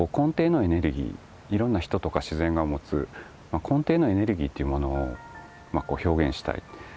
いろんな人とか自然が持つ根底のエネルギーというものを表現したい。